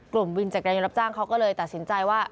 วินจักรยานยนต์รับจ้างเขาก็เลยตัดสินใจว่า